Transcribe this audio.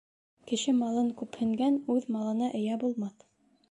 Кеше малын күпһенгән Үҙ малына эйә булмаҫ.